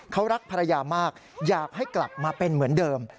เขารักภรรยามากอยากให้กลับมาเป็นเหมือนเดิม